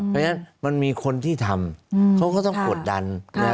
เพราะฉะนั้นมันมีคนที่ทำเขาก็ต้องกดดัน